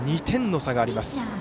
２点の差があります。